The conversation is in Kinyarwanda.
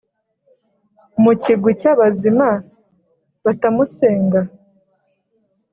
mu kigwi cy’abazima batamusenga?